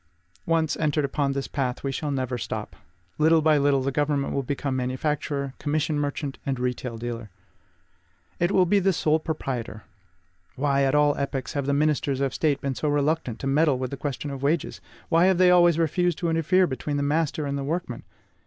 Once entered upon this path, we never shall stop. Little by little the government will become manufacturer, commission merchant, and retail dealer. It will be the sole proprietor. Why, at all epochs, have the ministers of State been so reluctant to meddle with the question of wages? Why have they always refused to interfere between the master and the workman?